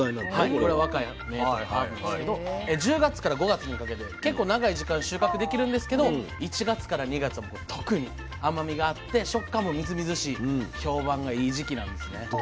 はいこれ若い芽と葉なんですけど１０月から５月にかけて結構長い時間収穫できるんですけど１月から２月が特に甘みがあって食感もみずみずしい評判がいい時期なんですね。